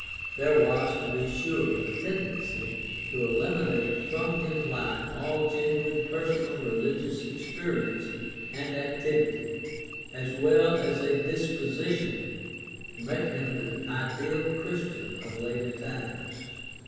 There was, to be sure, a tendency to eliminate from his life all genuine personal religious experience and activity, as well as a disposition to make him the ideal Christian of later times.